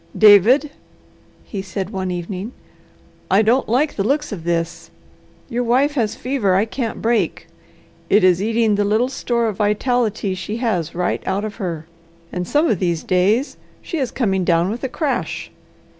"David," he said one evening, "I don't like the looks of this. Your wife has fever I can't break. It is eating the little store of vitality she has right out of her, and some of these days she is coming down with a crash.